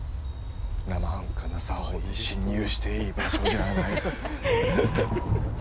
生半可な作法で侵入していい場所じゃあないッ。